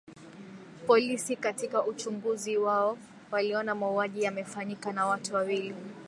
Polisi katika uchunguzi wao waliona mauaji yamefanyika na watu wawili